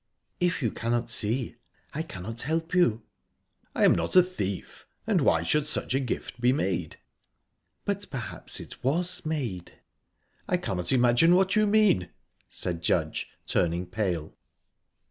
"If you cannot see, I cannot help you." "I am not a thief, and why should such a gift by made?" "But perhaps it was made." "I cannot imagine what you mean," said Judge, turning pale.